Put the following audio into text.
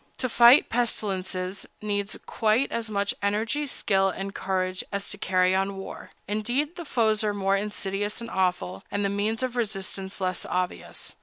To fight pestilences needs quite as much energy, skill, and courage as to carry on war; indeed, the foes are more insidious and awful, and the means of resistance less obvious.